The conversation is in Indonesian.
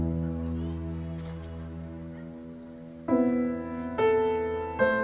pagi pagi siapa yang dikutuk dan kenapa